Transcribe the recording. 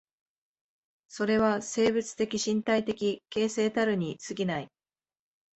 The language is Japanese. それは生物的身体的形成たるに過ぎない。